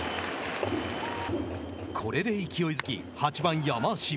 これで勢いづき、８番山足。